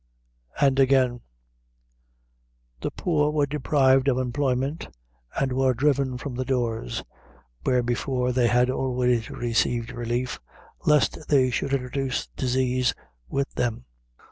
Again: "The poor were deprived of employment and were driven from the doors where before they had always received relief, lest they should introduce disease with them.